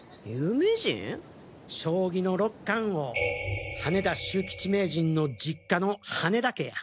将棋の六冠王羽田秀名人の実家の羽田家や！